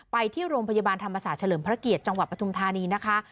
ไปที่โรงพยาบาลธรรมศาสตร์เฉลิมพระเกียรติจังหวัดปทุมธานีนะคะ